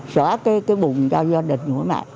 xóa cái bụng do gia đình của mẹ